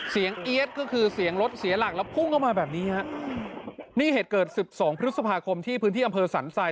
เอี๊ยดก็คือเสียงรถเสียหลักแล้วพุ่งเข้ามาแบบนี้ฮะนี่เหตุเกิดสิบสองพฤษภาคมที่พื้นที่อำเภอสันไซ